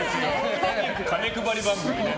金配り番組。